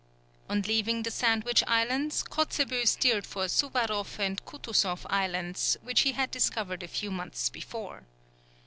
On leaving the Sandwich Islands, Kotzebue steered for Suwaroff and Kutusoff Islands, which he had discovered a few months before.